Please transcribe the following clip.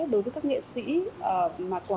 đối với các nghệ sĩ mà